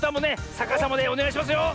さかさまでおねがいしますよ。